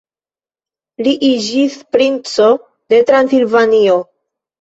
Li iĝis princo de Transilvanio.